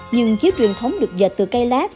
nhưng chiếu truyền thống được dịch từ cây lát